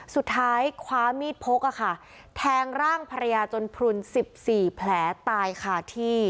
สุดท้ายคว้ามีดพกแทงร่างภรรยาจนพลุน๑๔แผลตายคาที่